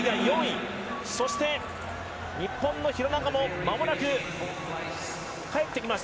そして日本の廣中もまもなく帰ってきます。